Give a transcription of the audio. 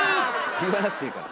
言わなくていいから。